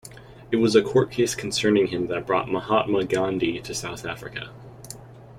It was a court case concerning him that brought Mahatma Gandhi to South Africa.